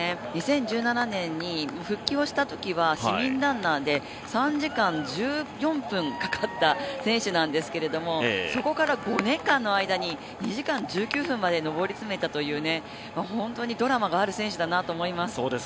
２０１７年に復帰をしたときは市民ランナーで３時間１４分かかった選手なんですけれどもそこから５年間の間に２時間１９分まで上り詰めたという本当にドラマがある選手だなと思います。